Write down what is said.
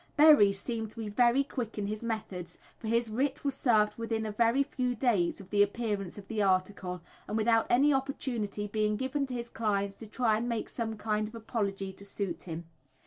Berry seemed to be very quick in his methods, for his writ was served within a very few days of the appearance of the article, and without any opportunity being given to his clients to try and make some kind of apology to suit him.